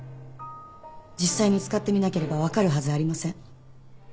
実際に使ってみなければわかるはずありません。